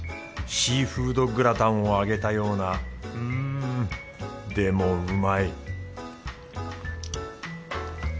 シーフードグラタンを揚げたようなうんでもうまい